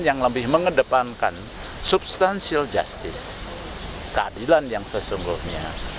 yang lebih mengedepankan keadilan yang sesungguhnya